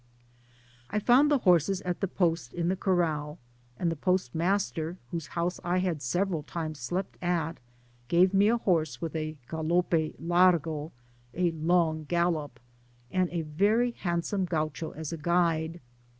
I found the houses at the post in the corrdl, and the post master, whose house I had several times slept at, gave me a horse with a gsdope largo (a long gallop), and a very handsome Gaucho as a guide.